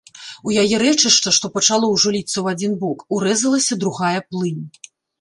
У яе рэчышча, што пачало ўжо ліцца ў адзін бок, урэзалася другая плынь.